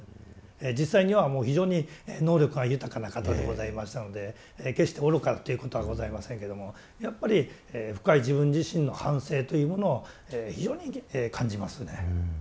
実際には非常に能力が豊かな方でございましたので決して愚かということはございませんけどもやっぱり深い自分自身の反省というものを非常に感じますね。